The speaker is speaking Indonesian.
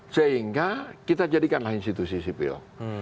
sehingga kita jadikanlah institusi sipil